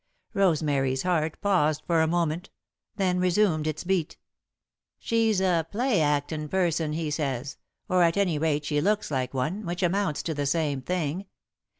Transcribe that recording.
Rosemary's heart paused for a moment, then resumed its beat. "She's a play actin' person, he says, or at any rate she looks like one, which amounts to the same thing.